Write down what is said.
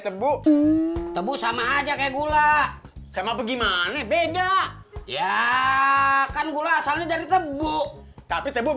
tebu tebu sama aja kayak gula sama bagaimana beda ya kan gula asalnya dari tebu tapi tebuk